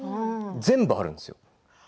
全部あるんですよ。